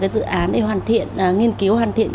dự án để nghiên cứu hoàn thiện